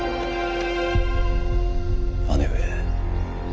姉上。